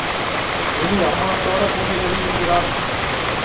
எலி அம்மணத்தோடே போகிறது என்கிறான்.